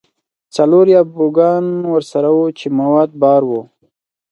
څلور یا بوګان ورسره وو چې مواد بار وو.